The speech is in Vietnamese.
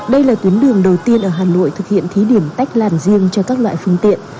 đây là tuyến đường đầu tiên ở hà nội thực hiện thí điểm tách làn riêng cho các loại phương tiện